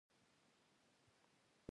د جګړې ډګرونه یوازې هغه نه دي.